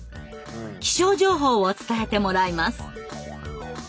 気象情報を伝えてもらいます。